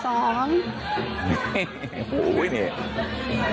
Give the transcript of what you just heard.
อันดับสอง